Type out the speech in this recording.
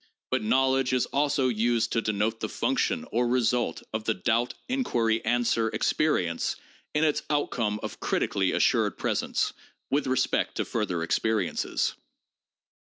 But 'knowledge' is also used to denote the function or result of the doubt inquiry answer experience in its outcome of critically assured presence, with respect to further experiences.